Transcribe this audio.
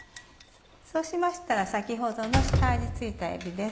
そうしましたら先ほどの下味付いたえびです。